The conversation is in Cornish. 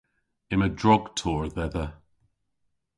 Yma drog torr dhedha.